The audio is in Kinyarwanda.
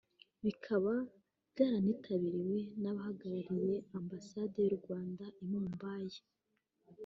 bikaba byaranitabiriwe n’abahagarariye ambasade y’u Rwanda i Mumbai